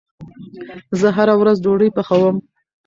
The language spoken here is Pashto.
زه هره ورځ ډوډې پخوم